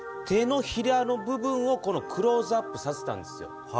手のひらの部分をクローズアップさせたんですよ。